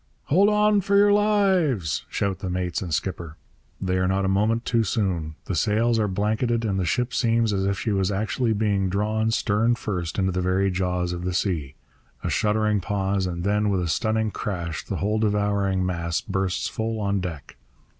'Hold on for your lives!' shout the mates and skipper. They are not a moment too soon. The sails are blanketed, and the ship seems as if she was actually being drawn, stern first, into the very jaws of the sea. A shuddering pause ... and then, with a stunning crash, the whole devouring mass bursts full on deck.